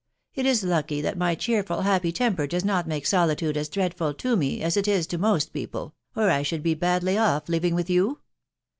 " It is lucky that my cheerful, happy temper, does not make solitude as dreadful to me as it is to most people^ or I should'1 be badly off, living with you.